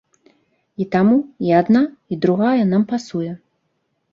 І таму і адна, і другая нам пасуе.